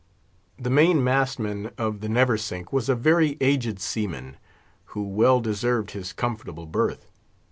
The main mast man of the Neversink was a very aged seaman, who well deserved his comfortable berth.